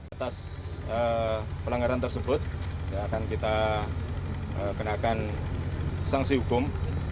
atas pelanggaran tersebut akan kita kenakan sanksi hukum